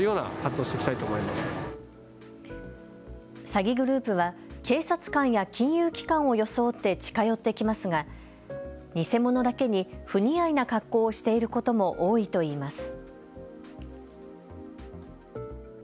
詐欺グループは警察官や金融機関を装って近寄ってきますが、偽物だけに不似合いな格好をしていることも多いといいます。